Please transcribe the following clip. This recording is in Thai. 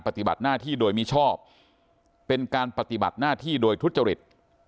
ปฏิบัติหน้าที่โดยมิชอบเป็นการปฏิบัติหน้าที่โดยทุจริต